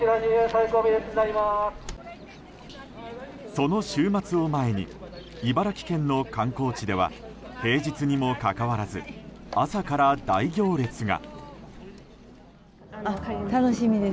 その週末を前に茨城県の観光地では平日にもかかわらず朝から大行列が。